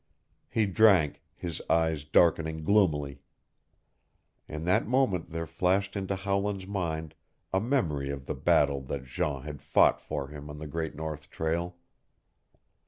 He drank, his eyes darkening gloomily. In that moment there flashed into Howland's mind a memory of the battle that Jean had fought for him on the Great North Trail.